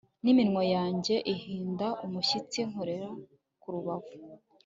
Niminwa yanjye ihinda umushyitsi nkora ku rubavu